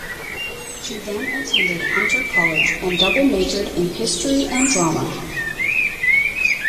She then attended Hunter College and double majored in history and drama.